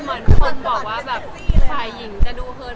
เหมือนคนบอกว่าแบบฝ่ายหญิงจะดูเฮิน